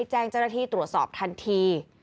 และความสุขของคุณค่ะ